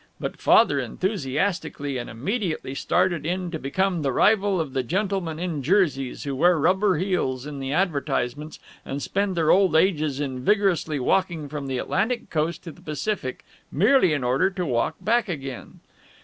But Father enthusiastically and immediately started in to become the rival of the gentlemen in jerseys who wear rubber heels in the advertisements and spend their old ages in vigorously walking from the Atlantic coast to the Pacific, merely in order to walk back again.